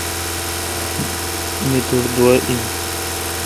می تٹھ دعا این۔